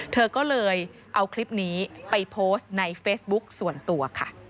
เธอก็เลยเอาคลิปนี้ไปโพสต์ในเฟซบุ๊คส่วนตัวค่ะ